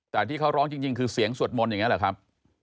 แต่ที่เขาร้องจริงคือเสียงสวดมนต์อย่างนี้เหรอครับ